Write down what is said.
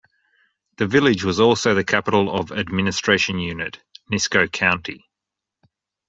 The village was also the capital of administration unit, Nisko County.